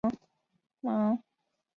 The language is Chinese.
芒乌沃。